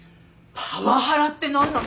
パワハラって何なの？